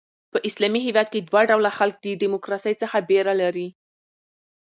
په اسلامي هیوادونو کښي دوه ډوله خلک د ډیموکراسۍ څخه بېره لري.